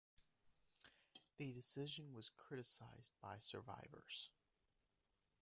This decision was criticised by survivors.